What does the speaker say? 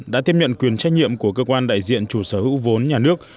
đã tiếp nhận quyền trách nhiệm của cơ quan đại diện chủ sở hữu vốn nhà nước